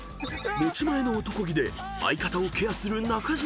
［持ち前のおとこ気で相方をケアする中島］